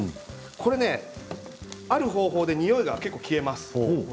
これね、ある方法でにおいが結構消えます。